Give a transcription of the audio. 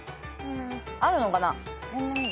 あるのかな？